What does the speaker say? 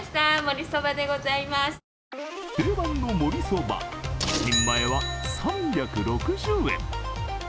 定番のもりそば、１人前は３６０円。